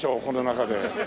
この中で。